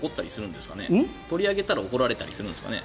取り上げると怒られたりするんですかね。